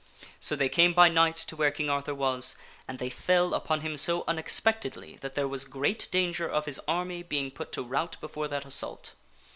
So they came by night to where King Arthur was, and they fell upon him so unexpectedly that there was great danger of his army being put to rout before that assault.